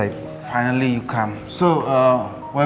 akhirnya kamu datang